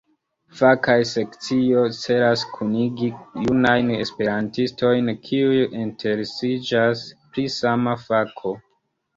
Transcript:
Fakaj sekcioj celas kunigi junajn Esperantistojn kiuj interesiĝas pri sama fako.